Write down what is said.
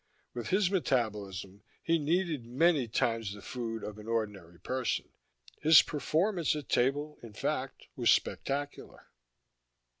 With his metabolism, he needed many times the food of an ordinary person; his performance at table, in fact, was spectacular.